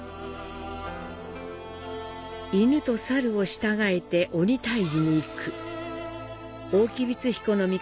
犬と猿を従えて鬼退治に行く。